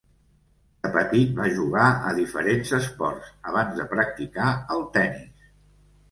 De petit va jugar a diferents esports, abans de practicar el tennis.